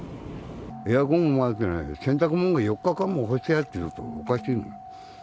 エアコンもついてない、洗濯物も４日間も干してあるのはおかしいんだ。